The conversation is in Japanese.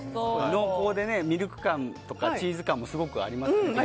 濃厚でミルク感とかチーズ感もありますよね。